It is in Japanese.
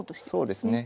そうですね。